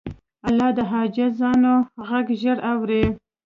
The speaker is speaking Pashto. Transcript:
الله د عاجزانو غږ ژر اوري.